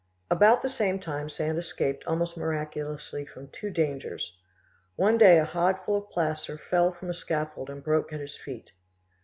About the same time Sand escaped almost miraculously from two dangers. One day a hod full of plaster fell from a scaffold and broke at his feet.